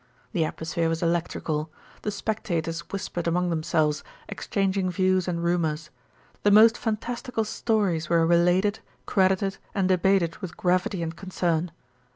The atmosphere was electrical. The spectators whispered among themselves, exchanging views and rumours. The most fantastical stories were related, credited, and debated with gravity and concern.